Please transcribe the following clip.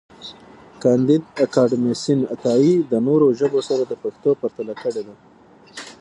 کانديد اکاډميسن عطایي د نورو ژبو سره د پښتو پرتله کړې ده.